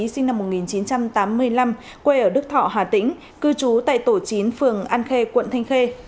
sinh năm một nghìn chín trăm tám mươi năm quê ở đức thọ hà tĩnh cư trú tại tổ chín phường an khê quận thanh khê